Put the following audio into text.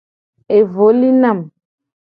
Evo li nam.